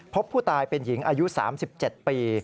พบผู้ตายเป็นหญิงอายุ๓๗ปี